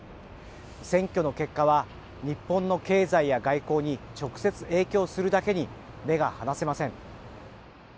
選挙の結果は日本の経済と外交に直接影響するだけに目が離せません。